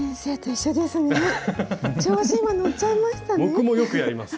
僕もよくやります。